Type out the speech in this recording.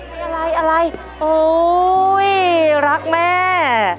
โอ้ยอะไรโอ้ยรักแม่